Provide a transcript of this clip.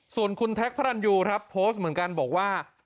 ส่วนคุณพระรันยูโพสต์เหมือนกันบอกว่า